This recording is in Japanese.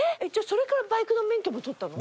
それからバイクの免許も取ったの？